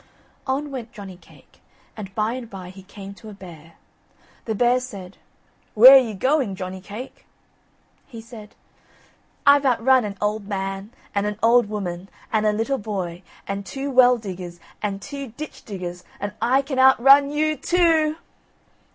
On went Johnny cake, and by and by he came to a bear. The bear said: "Where are ye going, Johnny cake?" He said: "I've outrun an old man, and an old woman and a little boy, and two well diggers, and two ditch diggers, and I can outrun you too o o!"